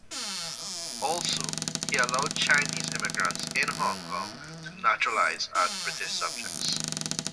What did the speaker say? Also, he allowed Chinese immigrants in Hong Kong to naturalise as British subjects.